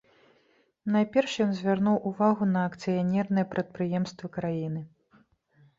Найперш ён звярнуў увагу на акцыянерныя прадпрыемствы краіны.